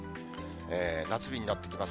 夏日になってきます。